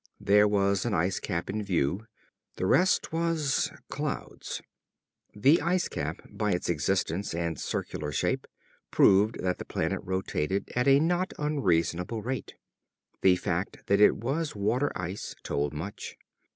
There was an ice cap in view. The rest was clouds. The ice cap, by its existence and circular shape, proved that the planet rotated at a not unreasonable rate. The fact that it was water ice told much.